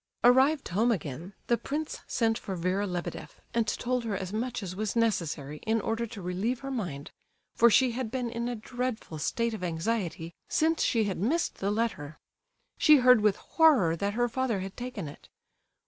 Arrived home again, the prince sent for Vera Lebedeff and told her as much as was necessary, in order to relieve her mind, for she had been in a dreadful state of anxiety since she had missed the letter. She heard with horror that her father had taken it.